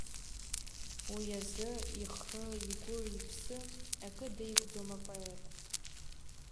Уи азы ихы, игәы, иԥсы, акы деигӡом апоет…